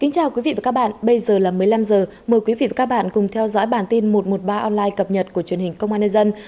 chào các bạn bây giờ là một mươi năm h mời quý vị và các bạn cùng theo dõi bản tin một trăm một mươi ba online cập nhật của truyền hình công an nhân dân